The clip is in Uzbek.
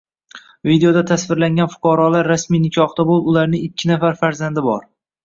Videoda tasvirlangan fuqarolar rasmiy nikohda bo‘lib, ularning ikki nafar farzandi bor